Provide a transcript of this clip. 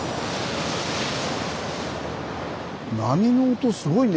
波の音すごいね。